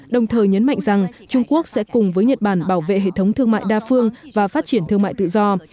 đồng thời nhấn mạnh rằng trung quốc sẽ cùng với nhật bản bảo vệ hệ thống thương mại đa phương và phát triển thương mại tự do